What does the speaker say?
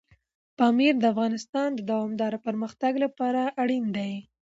پامیر د افغانستان د دوامداره پرمختګ لپاره اړین دی.